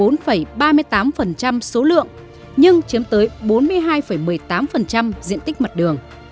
nó có ba mươi tám số lượng nhưng chiếm tới bốn mươi hai một mươi tám diện tích mặt đường